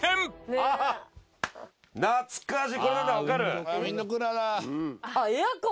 あっエアコン！